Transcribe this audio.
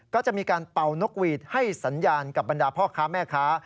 ก็จะมีการเป่านกหวีดให้สัญญาณกับบรรดาพ่อค้าแม่ค้า